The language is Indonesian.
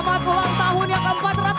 mana semangatnya jakarta